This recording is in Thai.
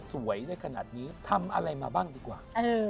สวยได้ขนาดนี้ทำอะไรมาบ้างดีกว่า